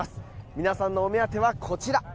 皆さんのお目当てはこちら。